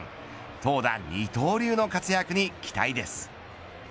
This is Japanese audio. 投打二刀流の活躍に期待です。